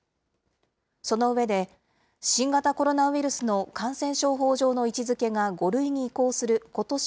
その上で、新型コロナウイルスの感染症法上の位置づけが５類に移行することし